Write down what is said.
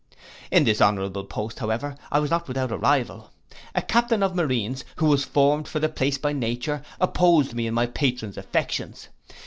'In this honourable post, however, I was not without a rival. A captain of marines, who was formed for the place by nature, opposed me in my patron's affections.